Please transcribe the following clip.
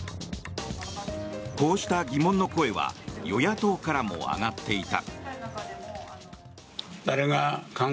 こうした疑問の声は与野党からも上がっていた。